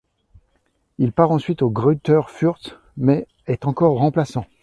Il part ensuite au Greuther Fürth, mais est encore remplaçant.